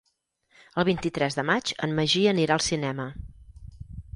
El vint-i-tres de maig en Magí anirà al cinema.